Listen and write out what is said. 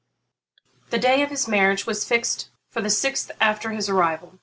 The day of his marriage was fixed for the sixth after his arrival.